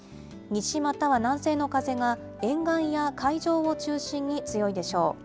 西または南西の風が、沿岸や海上を中心に強いでしょう。